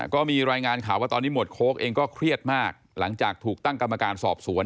ก็มีรายงานข่าวว่าตอนนี้หมวดโค้กเองก็เครียดมากหลังจากถูกตั้งกรรมการสอบสวน